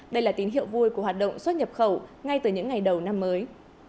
đây là tín hiệu vui của hoạt động xuất nhập khẩu ngay từ những ngày đầu năm mới